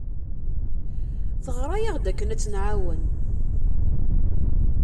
Teɣra-aɣ-d akken ad tt-nɛawen.